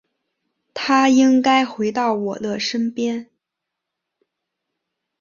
他应该回到我的身边